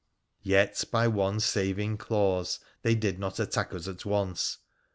Yet by one saving clause they did not attack us at once.